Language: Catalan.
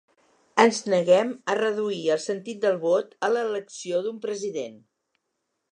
Ens neguem a reduir el sentit del vot a l’elecció d’un president.